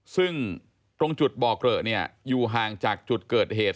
ซึ่งตรงจุดบ่อเกลอะเนี่ยอยู่ห่างจากจุดเกิดเหตุ